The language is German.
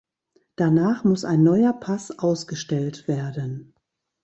Danach muss ein neuer Pass ausgestellt werden.